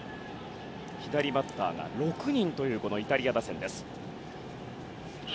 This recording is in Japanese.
左バッターが６人というイタリア打線です。